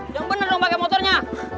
yang bener dong pake motornya